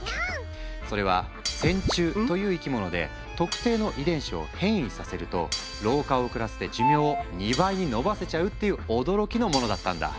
それは線虫という生き物で特定の遺伝子を変異させると老化を遅らせて寿命を２倍に延ばせちゃうっていう驚きのものだったんだ。